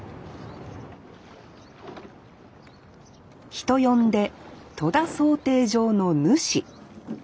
人呼んで「戸田漕艇場の主」。